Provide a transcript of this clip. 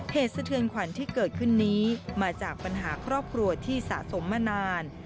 สะเทือนขวัญที่เกิดขึ้นนี้มาจากปัญหาครอบครัวที่สะสมมานาน